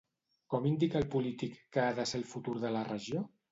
Com indica el polític que ha de ser el futur de la regió?